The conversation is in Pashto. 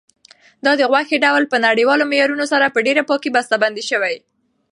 دا د غوښې ډول په نړیوالو معیارونو سره په ډېرې پاکۍ بسته بندي شوی.